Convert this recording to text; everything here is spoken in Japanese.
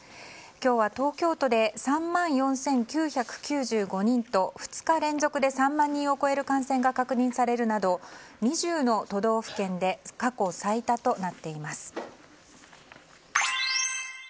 今日は東京都で３万４９９５人と２日連続で３万人を超える感染が確認されるなど２０の都道府県で過去最多となっています。